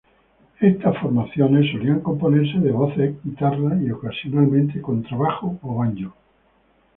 Estas formaciones solían componerse de voces, guitarras y ocasionalmente contrabajo o banjo.